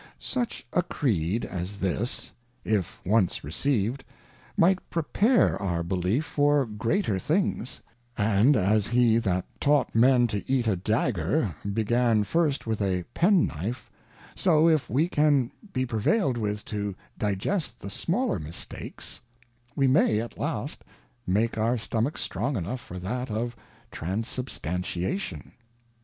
Such a Creed as this, if once receiv'd, might prepare our belief 96 The Character belief for greater things, and as he that taught Men to eat a Dagger, began first with a Pen knife ; so if we can be prevail'd with to digest the smaller Mistakes, we may at last make our stomachs strong enough for that of Transubstantiation.